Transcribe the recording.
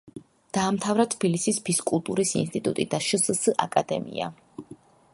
დაამთავრა თბილისის ფიზკულტურის ინსტიტუტი და შსს აკადემია.